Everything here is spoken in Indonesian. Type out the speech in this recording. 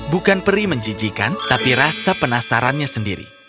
bukan peri menjijikan tapi rasa penasarannya sendiri